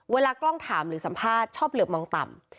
เวลากล้องถามหรือสัมภาษณ์ชอบเหลือบมองต่ำ